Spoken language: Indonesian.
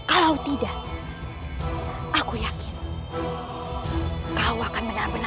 aku tidak mungkin menang melawannya